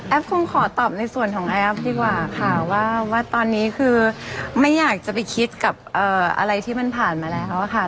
คงขอตอบในส่วนของแอฟดีกว่าค่ะว่าตอนนี้คือไม่อยากจะไปคิดกับอะไรที่มันผ่านมาแล้วค่ะ